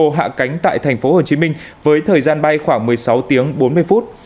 hồ hạ cánh tại thành phố hồ chí minh với thời gian bay khoảng một mươi sáu tiếng bốn mươi phút